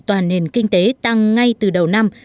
toàn nền kinh tế tăng ngay từ đầu năm